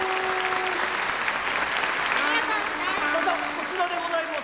こちらでございます。